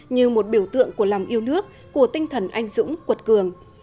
như một biểu tượng của lòng yêu nước của tinh thần anh dũng quật cường